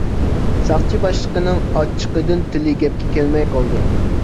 ساقچى باشلىقىنىڭ ئاچچىقىدىن تىلى گەپكە كەلمەي قالدى.